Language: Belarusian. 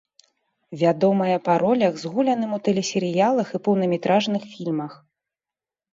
Вядомая па ролях, згуляным у тэлесерыялах і поўнаметражных фільмах.